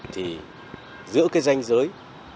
thì giữa cái danh giới